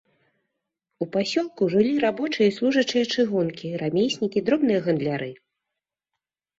У пасёлку жылі рабочыя і служачыя чыгункі, рамеснікі, дробныя гандляры.